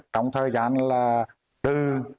trong thời gian là từ bảy